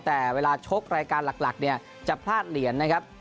แต่เวลาชกรายการหลักเนี่ยจะพลาดเหรียญนะครับ